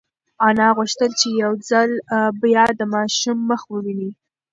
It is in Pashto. انا غوښتل چې یو ځل بیا د ماشوم مخ وویني.